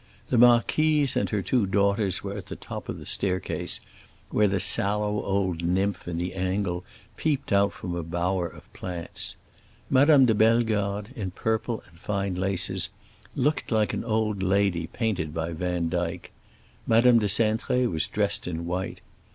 The marquise and her two daughters were at the top of the staircase, where the sallow old nymph in the angle peeped out from a bower of plants. Madame de Bellegarde, in purple and fine laces, looked like an old lady painted by Vandyke; Madame de Cintré was dressed in white.